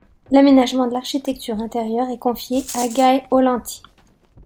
L'aménagement de l'architecture intérieure est confiée à Gae Aulenti.